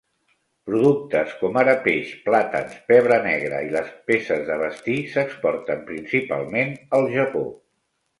Productes com ara peix, plàtans, pebre negre i les peces de vestir s'exporten principalment al Japó.